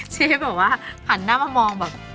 เชฟบอกว่าผ่านหน้ามะมองแบบ